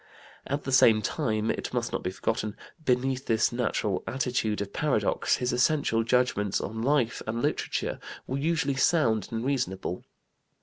At the same time, it must not be forgotten, beneath this natural attitude of paradox, his essential judgments on life and literature were usually sound and reasonable.